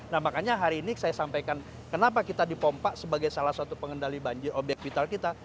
nah makanya hari ini saya sampaikan kenapa kita dipompak sebagai salah satu pengendali banjir obyek vital kita